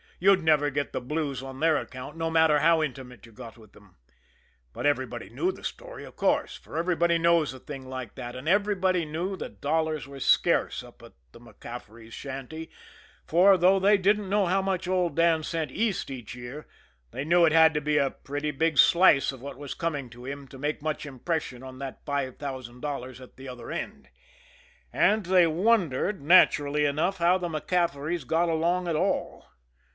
You'd never get the blues on their account, no matter how intimate you got with them. But everybody knew the story, of course, for everybody knows a thing like that; and everybody knew that dollars were scarce up at the MacCafferys' shanty for, though they didn't know how much old Dan sent East each year, they knew it had to be a pretty big slice of what was coming to him to make much impression on that five thousand dollars at the other end and they wondered, naturally enough, how the MacCafferys got along at all.